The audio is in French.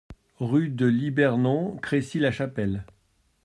Rue de Libernon, Crécy-la-Chapelle